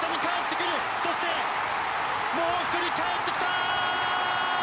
そして、もう１人かえってきた！